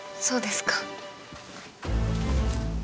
そうですか。